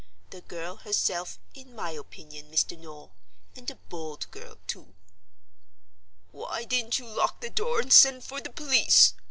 The girl herself, in my opinion, Mr. Noel—and a bold girl too." "Why didn't you lock the door and send for the police?"